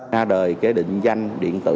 ra đời cái định danh điện tử